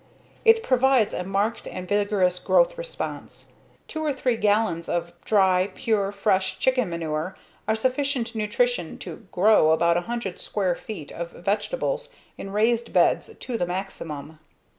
It provokes a marked and vigorous growth response. Two or three gallons of dry, pure fresh chicken manure are sufficient nutrition to GROW about 100 square feet of vegetables in raised beds to the maximum.